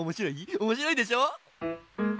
おもしろいでしょ？